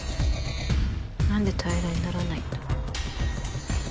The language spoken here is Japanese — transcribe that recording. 何で平らにならないんだ。